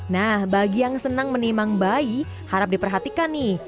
nah bagi yang senang menimang bayi harap diperhatikan nih